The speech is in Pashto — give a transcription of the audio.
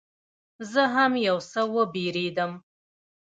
زه هم یو څه وبېرېدم.